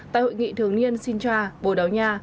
tại hội nghị thường niên sintra bồ đào nha